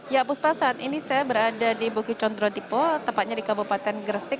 ya puspa saat ini saya berada di bukit condro tipo tepatnya di kabupaten gresik